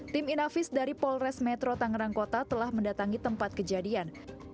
tim inavis dari polres metro tangerang kota telah mendatangi tempat kejadian